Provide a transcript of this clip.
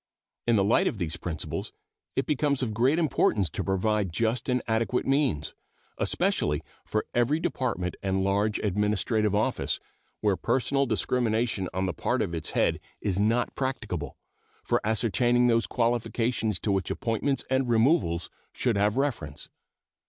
In the light of these principles it becomes of great importance to provide just and adequate means, especially for every Department and large administrative office, where personal discrimination on the part of its head is not practicable, for ascertaining those qualifications to which appointments and removals should have reference.